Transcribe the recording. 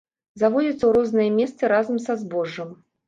Завозіцца ў розныя месцы разам са збожжам.